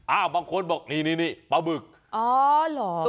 อ้าบางคนบอกนินี่นี่ปะเบล็ก